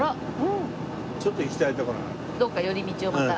どこか寄り道をまた？